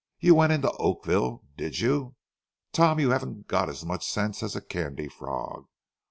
You went into Oakville, did you? Tom, you haven't, got as much sense as a candy frog.